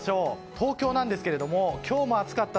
東京なんですが今日も暑かった。